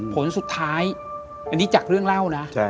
ผลสุดท้ายอันนี้จากเรื่องเล่านะ